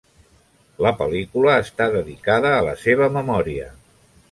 La pel·lícula està dedicada a la seva memòria.